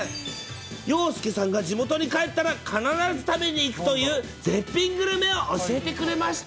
洋介さんが地元に帰ったら必ず食べに行くという絶品グルメを教えてくれました。